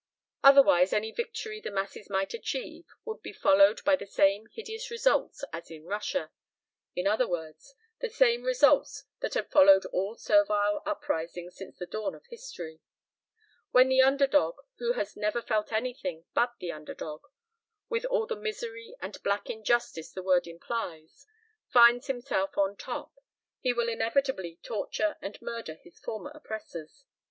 Otherwise any victory the masses might achieve would be followed by the same hideous results as in Russia in other words, the same results that had followed all servile uprisings since the dawn of history. When the underdog, who has never felt anything but an underdog, with all the misery and black injustice the word implies, finds himself on top he will inevitably torture and murder his former oppressors.